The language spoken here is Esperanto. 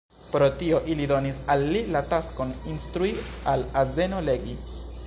Pro tio ili donis al li la taskon instrui al azeno legi.